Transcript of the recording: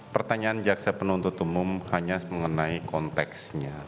pertanyaan jaksa penuntut umum hanya mengenai konteksnya